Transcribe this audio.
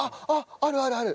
あるあるある！